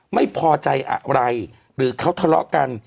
ไม่พอใจอะไรหรือเขาทะเลาะกัน